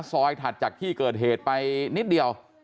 ถัดจากที่เกิดเหตุไปนิดเดียว